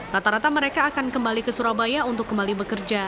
rata rata mereka akan kembali ke surabaya untuk kembali bekerja